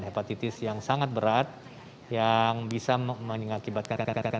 hepatitis yang sangat berat yang bisa mengakibatkan